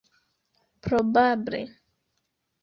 probable